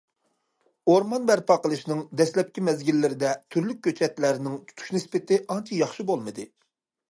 ئورمان بەرپا قىلىشنىڭ دەسلەپكى مەزگىللىرىدە تۈرلۈك كۆچەتلەرنىڭ تۇتۇش نىسبىتى ئانچە ياخشى بولمىدى.